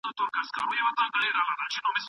خلګ بايد د اسمانونو په خلقت کي فکر وکړي.